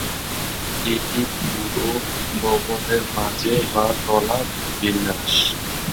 এটি পুরো ভবনের মেঝে বা তলা বিন্যাস।